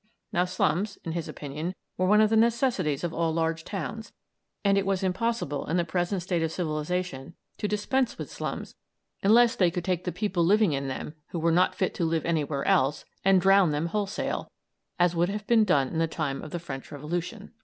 Now slums, in his opinion, were one of the necessities of all large towns, and it was impossible in the present state of civilisation to dispense with slums unless they could take the people living in them, who were not fit to live anywhere else, and drown them wholesale, as would have been done in the time of the French Revolution."